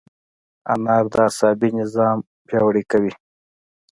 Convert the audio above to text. انار د عصبي نظام پیاوړی کوي.